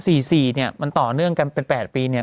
สี่สี่เนี้ยมันต่อเนื่องกันเป็นแปดปีเนี่ย